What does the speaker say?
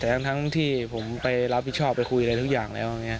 แต่ทั้งที่ผมไปรับผิดชอบไปคุยอะไรทุกอย่างแล้ว